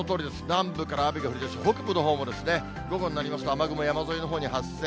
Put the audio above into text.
南部から雨が降りだして、北部のほうも午後になりますと、雨雲、山沿いのほうに発生。